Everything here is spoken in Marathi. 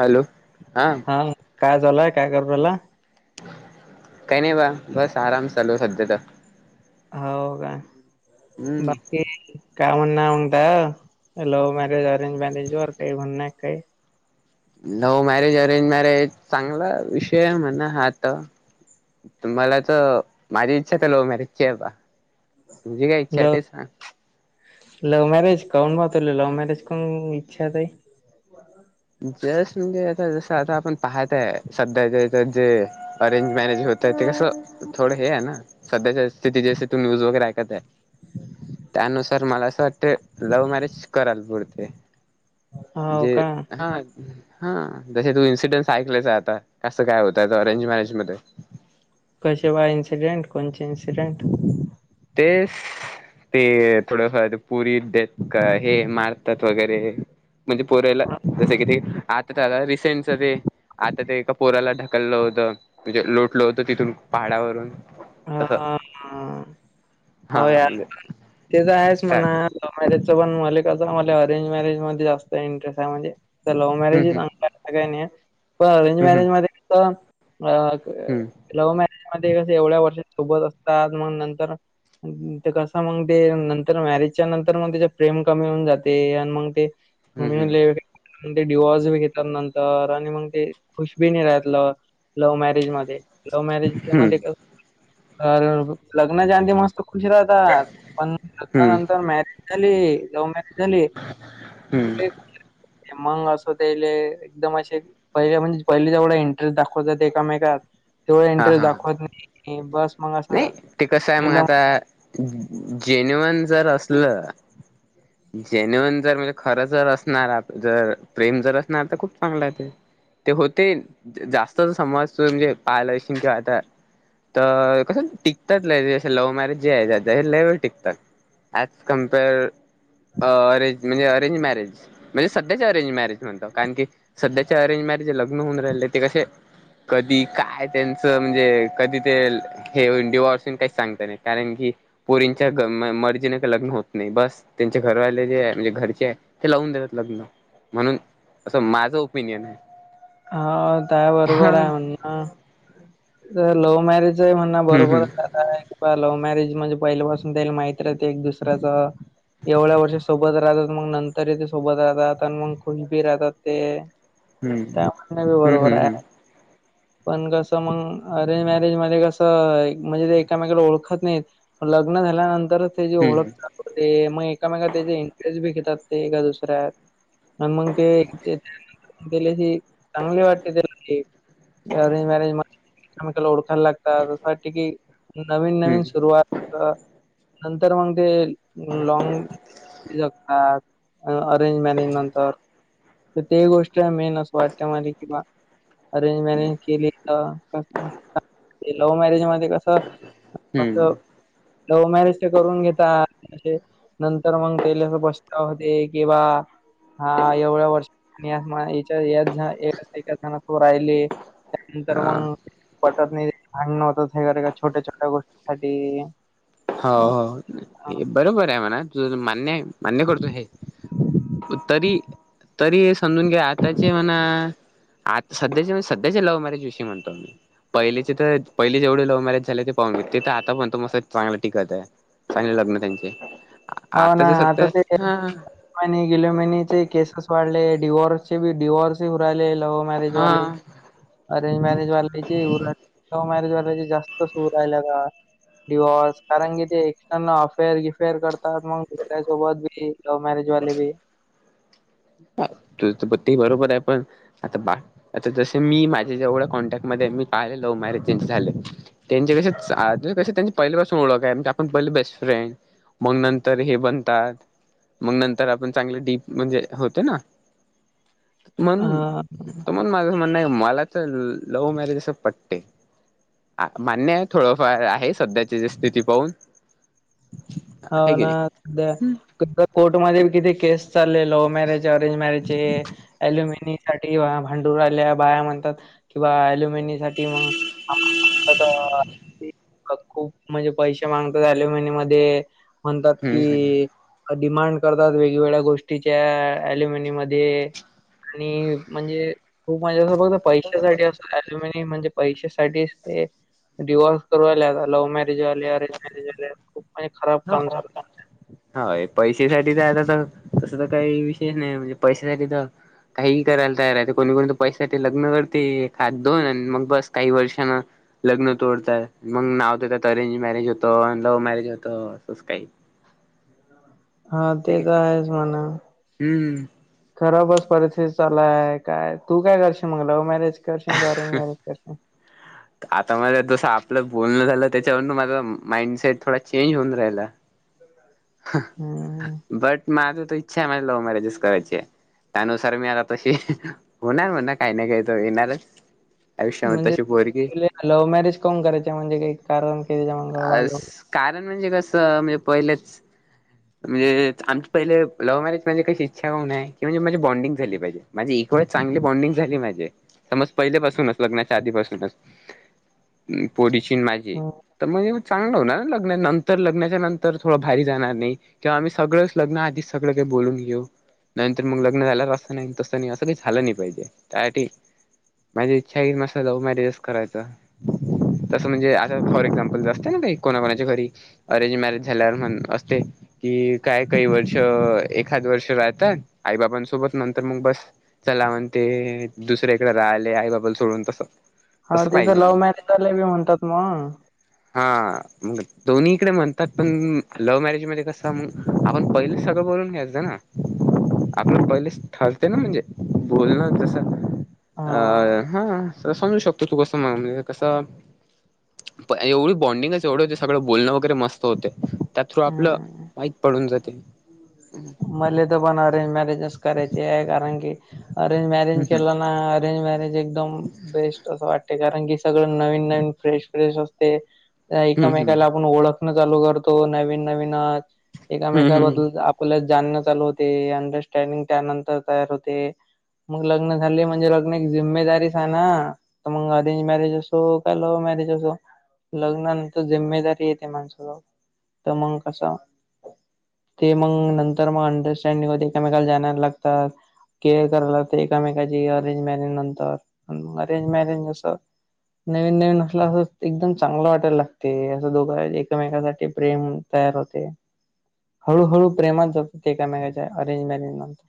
हॅलो, हां. हंक काय झालंय? काय करू राहिला? काही नाही बा, बस आराम चालू सध्या. हाव का, हम्म बाकी? का म्हण नाय म्हणता, लव्ह मॅरेज, अरेंज मॅरेज वर काय म्हणणं हाय काय? लव्ह मॅरेज, अरेंज मॅरेज चांगला विषय आहे म्हणा आता तुम्हाला तर माझी इच्छा तर लव मॅरेज ची आहे. बा तुझी काय इच्छा आहे लव ते सांग. लव्ह मॅरेज कोण पाहतय, लव्ह मॅरेज कोण इच्छात जस म्हणजे आता जसं आता आपण पाहत आहे सध्या ज्याचं जे अरेंज मॅरेज होतय ते कसं थोडं हे हाय ना. सध्याच्या स्थितीत जशी तू न्यूज वगैरे हे का ते. त्यानुसार मला असं वाटतं लव्ह मॅरेज कराल पुढं ते. हो का हा, हा जसे तू इन्सिडेनट्स ऐकलेयस आता कसं काय होतं ते ऑरेंज मॅरेज मध्ये. कसे बा इन्सडेंट? कुणचे इन्स्डेंट? तेच ते थोडं फार पुरी देत का हे मारतात वगैरे म्हणजे पोरयला जस हा किती आता आ रिसेंटच ते आता ते एका पोराला ढकललं होतं म्हणजे लोटलं होत तिथून पहाडावरून. तसं हा, हा हो यार म्हणजे ते तर आहेच काय म्हणा! लव मॅरेज पण मले क मला अरेंज मॅरेज मध्ये जास्त इंटरेस्ट आहे म्हजे तर लव मॅरेज हम्म सांग काही नाही पण अरेंज हम्म मध्ये हम्म लव्ह मॅरेज मध्ये कसं एवढ्या वर्षात सोबत असतात मग नंतर ते कसं मग ते नंतर मॅरेजच्या नंतर मग त्या प्रेम कमी होऊन जाते आणि मग ते मी हम्म म्हणलं डिवॉर्स बी घेतात नंतर आणि मग ते खुश बी नाही राहतलं. लव्ह मॅरेज मध्ये. लव्ह मॅरेज हम्म मध्ये क तर लग्नाच्या आधी मस्त खुश राहतात. पण हम्म लग्नानंतर मा खाली लव्ह मॅरेज झाली. [unintelligible] हम्म ते मंग असोतेले एकदम असे पहिले म्हणजे पहिले जेवढा इंटरेस्ट दाखवतात एकमेकात तेवढा हा इंटरेस्ट हा दाखवत नाहीत. ए बस मग. नाही ते कसं आहे मग केलं आता जेन्युअन जर असलं [inaudible] जेन्युन जर म्हणजे, खरं जर असणार जर प्रेम जर असणार तर खूप चांगलं आहे ते. ते होतील, जास्त जर समाज म्हणजे पाहायला किंवा आता तर असं टिकतात लय दिवस लव्ह मॅरेज जे आहे ना, ते लई वेळ टिकतात ॲज कम्पेअर अ अरेंज म्हणजे अरेज मॅरेज, म्हणजे सध्याचे अरेंज मॅरेज. म्हणतो, कारण की सध्याचे अरेंज मॅरेजे लग्न होऊन राहिले ते कसे कधी काय त्यांचं म्हणजे कधी ते हे डिवर्स होईन काही सांगत नाही. कारण की पोरींच्या मर्जीन का लग्न होत नाही बस. त्यांचे घरवाले जे म्हणजे घरचे ते लावून देतात लग्न. म्हणून असं माझ ओपिनियन आहे. काय बरोबर आहे हं हा, म्हणणं. तर लव्ह मॅरेज आहे म्हणंन हम्म बरोबरच हम्म आहे. काय की लव्ह मॅरेज म्हणजे पहिल्यापासून त्याला माहित राहते एक दुसऱ्याच एवढ्या वर्षी सोबत राहतात, मग नंतरही ते सोबत राहतात आणि मग खुश बी राहतात ते. त्यामुळेच हम्म बरोबर हम्म आहे. हम्म पण कसं मग, अरेंज मॅरेज मध्ये कसं म्हणजे ते एकमेकडे ओळखत नाहीत. मग लग्न झाल्यानंतरच ते जे हम्म हम्म ओळखतात. म ते मग एकामेका त्याचे इंटरेस्ट बी घेतात, ते एका दुसऱ्यात. आणि मग ते [unintelligible] चांगली वाटते त्याला. ते अरेंज मॅरेज मध्ये एकमेकाला ओळखायला लागतात, असं वाटतं की नवीन नवीन हम्म सुरुवात नंतर मग ते लॉंग जगतात. अरेंज मॅरज नंतर तर ते गोष्ट मेन अस वाटतं मला कि बा अरेंज मॅरेज केली तर, लव्ह मॅरेज मध्ये कसं हम्म असं, लव्ह मॅरेज ते करून घेता अशे नंतर मग तेले असा पछतावा होतंय की बा हा. एवढ्या वर्षात [inaudible] राहिले, त्यानंतर हा मग पटत नाही, भांडणं होतात हे का छोट्या छोट्या गोष्टीसाठी. हो हो बरोबर आहे म्हणा, तुझं मान्य आहे. मान्य करतो हे. तरी तरी हे समजून घ्या, आताचे म्हणा आता सध्याचे, सध्याचे लव्ह मॅरेज विषयी म्हणतो मी. पहिलेचे तर पहिले जेवढे लव मॅरेज झाले ते पाहून घेतले. ते तर आता पण तो मस्त चांगला टिकत आहे. झाली लग्न त्यांची, आता जे सत्य आहे आनी गेल्यामहन्याचे केसेस वाढले, डवर्स चे डवॉर्सही होऊ राहिले लवमॅरीज मॅरेज वाले. हा अरेंज मॅरेज वाल्यांचे [unintelligible] होऊ राहिले लव्ह मॅरेज वाल्यांचे जास्तच होऊ राहिले का डिवॉर्स कारण की ते एक्सटर्नल अफेअर गिफेअर करतात मग दुसऱ्यासोबत बी. लव्ह मॅरेज वालेबी हं, तुझ तर ते बरोबर आहे पण आता पहा, आता जसे मी माझेे जेवढ्या कॉन्टॅक्टमध्ये मी पाहिले लव्ह मॅरेज ज्यांचे झालेत. त्यांचे कसे की, त्यांची पहिले पाासून ओळख आहे. म्हणजे आपण पहिले बेस्ट फ्रेंड. मग नंतर हे बनतात. मग नंतर आपण चांगले डीप म्हणजे होते ना. म्हणून हां, त मण माझं म्हणणं आहे मला तर लव्ह मॅरेज असं पटते. मान्य आहे थोडंफार आहे सध्याची स्थिती पाहून. होव आहे की ना नाही. द द कोर्टमध्ये किती केस. सले लव्ह मॅरेज अरेंज मॅरेजे हे अल्युमिनी. साठी भा भांडूराल्या बाया म्हणतात किंवा अल्युमिनि साठी मग. [unintelligible] [inaudible] आता खूप पैसे मागता झाले मध्ये. म्हणतात हम्म कि डिमांड करतात वेग वेगळ्या गोष्टीच्या आ अलुमिन मध्ये. आणि म्हणजे खूप म्हजे असं बघत पैशासाठी अस. अल्युमिन म्हणजे पैशेसाठीच ते. डिव्हर्सूवाल्या [unintelligible] आता लव्ह मॅरेज वाले अरेंज मॅरेज वाले. ह [inaudible] ह [unintelligible] पैशसाठी तर आता तर तसं तर आता काही विशेष नाही म्हणजे पैशासाठी तर. काही करायला तयार आहेते कोणी कोणी तर पैसा ते लग्न करते खात दोन मग बस काही वर्षांना. लग्न तोडतात मग नाव देतात त्यात मॅरेज होतं लव्ह मॅरेज होतं असंच काही. हा ते तर आहेच म्हणा. हम. खराबस परिस्थिती चालय काय तू काय करशील मगला मॅरेज करशील का अरेंज मॅरेज करशील? आता माझ जस आपलं बोलण झालं त्याच्यावरन माझा माइंडसेट थोडा चेंज होऊन राहिला. हम. बट माझ त इच्छा आहे माझ लव मॅरेजस्स कराचची. त्यानुसार मी आता तशी होणार म्हणणार काही ना काही तर होणार. आयुष्या मद्ये म्हणजे तशी पोरगी. तुले लव्ह मॅरेज कोण करायच्या म्हणजे काही कारण अस [inaudible] कारण म्हणजे कसं म्हणजे पहिलंच. [inaudible] म्हणजे आमची पहिले लव्ह मॅरेज माझे कशी इच्छा होऊय की म्हणजे माझी बोंडींग झाली पाहिजे. माणझे इकडेच चांगली बॉन्डिंग झाली माझे समज पहिले पाासूनच लग्नाच्या आधीपासूनच. [unintelligible] माझी हं, तर मगेग चांगलं हो ना लग्ना नंतर लग्नाच्या नंतर थोडं भारी जाणार नाइ. तेंव्हा आम्ही सगळं लग्न आधीच सगळं काही बोलून घेऊ. नंतर मग लग्न झाले असं नाही तसं नाही असं काही झालं नाही पाहिजे त्यासाठी. इच्छा आहे की मस्ं लव्ह मॅरेजच करायचं तसं असं म्हणजे अस फॉर एक्झामपल. असते ना का कोणा कोणाच्या घरी अरेंज मॅरेज झाल्यावर म्हण असते. कि काय काही वर्ष एखाद वर्ष राहतात आई बाबांसोबत नंतर मग बस. मला म्हणते ते दुसर्याकडें राहिले आई बाबाला सोडून तसं. ह तसं त्याच लव्ह पाहिजे मॅरेज झालंय बी म्हणतात मग. हा दोंनी इकडे मग म्हणतात पण मॅरेज मध्ये कसंग आपण पहिलेच सगळं बोलून घ्याच. आपलं पहिलेस ठरते ना म्हणजे बोलण जस. अ हां, हा समजू शकतो तू कस म्हण कस. पण एवढी बॉन्डिंगच सगळं बोलणं वगैरे मस्त होते. त्या थ्रू आपलं हं. वाईक पडून जाते. मले तर पण अरेंज मॅरेजस करायचे आहे कारण की. अरेंज मॅरेज हम्म केलं ना अरेंज मॅरेज एक. एकदम बेस्ट असं वाटते कारण की सगळं नवीन नवीन फ्रेश फ्रेश असते. हम्म हम्म हम्म एकामेकाला आपूण ओळखणं चालू करतो, नवीन नवीनच हम्म हम्म एकामेकाबद्दल कुल जाण चालू होते, अंडरस्टँडिंग त्यानंतर तयार होते. मग लग्न झाले म्हणजे लग्न एक जिम्मेदारीच हाय ना. तर मग अरेंज मॅरेज असो, का लव्ह मॅरेज असो. लग्नानंतर जिम्मेदारी येते माणसाला. तर मग कसा? ते मग नंतर मग अंडरस्टँडिंग होते, एकामेकाल जाणायला लागतात. केअर कराय लागते एकामेकाची अरेंज मॅरेंज नंतर, अरेंज मॅरेंज असं नवीन नवीन असलं असं एकदम चांगलं वाटायला लागते, असं दोघं एकामेकासाठी प्रेम तयार होते. हळूहळू प्रेमात जातेत एकामेकाच्या अरेंजमॅरेज नंतर